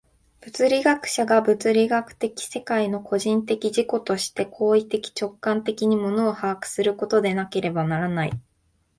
物理学者が物理学的世界の個人的自己として行為的直観的に物を把握することでなければならない。